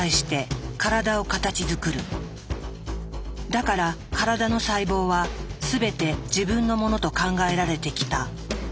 だから体の細胞は全て自分のものと考えられてきた。